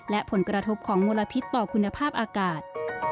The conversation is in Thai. และผลกระทบของมลพิษต่อคุณภาพอากาศ